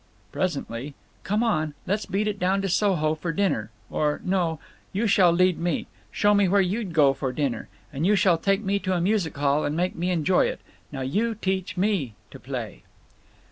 Presently: "Come on. Let's beat it down to Soho for dinner. Or—no! Now you shall lead me. Show me where you'd go for dinner. And you shall take me to a music hall, and make me enjoy it. Now you teach me to play."